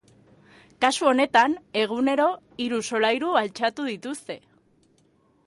Kasu honetan, egunero hiru solairu altxatu dituzte.